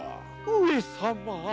上様！